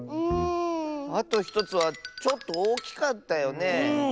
あと１つはちょっとおおきかったよね。